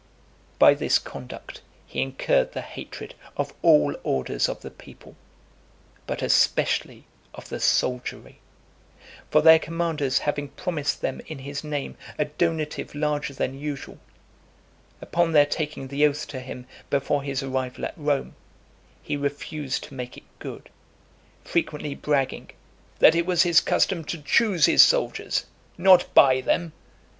XVI. By this conduct, he incurred the hatred of all orders of the people, but especially of the soldiery. For their commanders having promised them in his name a donative larger than usual, upon their taking the oath to him before his arrival at Rome; he refused to make it good, frequently bragging, "that it was his custom to choose his soldiers, not buy them."